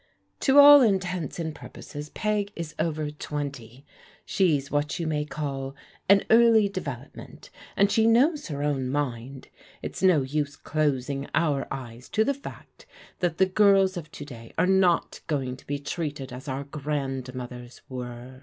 "To all intents and purposes Peg is over twenty. She's what you may call an early development, and she knows her own mind It's no use closing our eyes to the fact that the prls of to day are not going to be Ue^XftA. as our grandmother5 were.